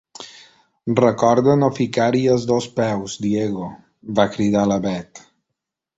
Recorda no ficar-hi els dos peus, Diego —va cridar la Bet.